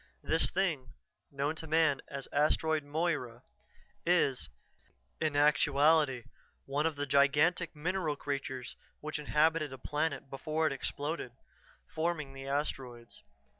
This thing, known to man as Asteroid Moira, is, in actuality, one of the gigantic mineral creatures which inhabited a planet before it exploded, forming the asteroids.